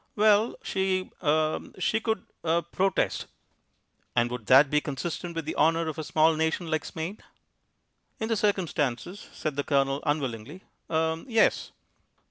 "Well, she er she could er protest." "And would that be consistent with the honour of a small nation like Spain?" "In the circumstances," said the Colonel unwillingly, "er yes."